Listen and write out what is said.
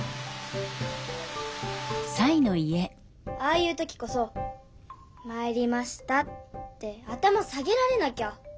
ああいう時こそ「まいりました」って頭下げられなきゃ。